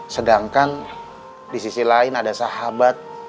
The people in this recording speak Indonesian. sedangkan di sisi lain ada sahabat